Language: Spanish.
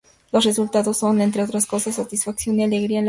Los resultados son, entre otras cosas, satisfacción y alegría en la vida.